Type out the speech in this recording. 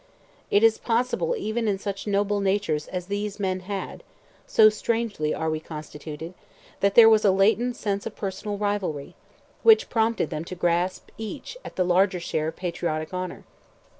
It is possible even in such noble natures as these men had—so strangely are we constituted—that there was a latent sense of personal rivalry, which prompted them to grasp, each, at the larger share of patriotic honour.